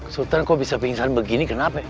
sultan kok bisa pingsan begini kenapa